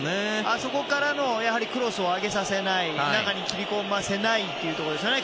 あそこからクロスを上げさせない中に切り込ませないってことですよね